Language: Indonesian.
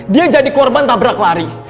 dia jadi korban tabrak lari